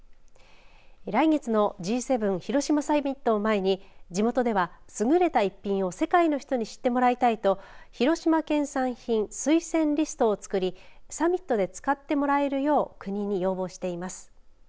来月のＧ７広島サミットを前に地元では優れた逸品を世界の人に知ってもらいたいと広島県産品推薦リストを作りサミットで使ってもらえるよう国に要望しています。